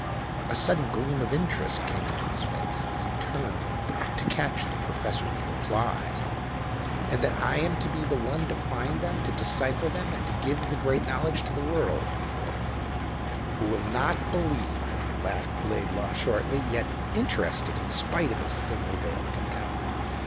A sudden gleam of interest came into his face as he turned to catch the professor's reply. "And that I am to be the one to find them, to decipher them, and to give the great knowledge to the world " "Who will not believe," laughed Laidlaw shortly, yet interested in spite of his thinly veiled contempt.